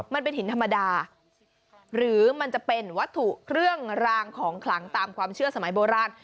มันเป็นหินธรรมดาหรือมันจะเป็นวัตถุเครื่องรางของขลังตามความเชื่อสมัยโบราณ